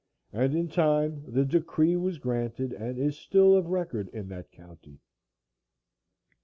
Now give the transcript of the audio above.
And in time the decree was granted and is still of record in that county.